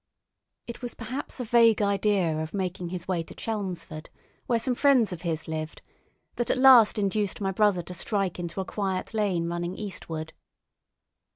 It was perhaps a vague idea of making his way to Chelmsford, where some friends of his lived, that at last induced my brother to strike into a quiet lane running eastward.